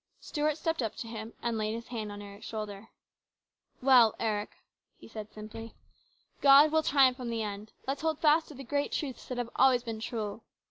Stuart stepped up to him and laid his hand on Eric's shoulder. " Well, Eric," he said simply, " God will triumph in the end. Let's hold fast to the great truths that have always been true."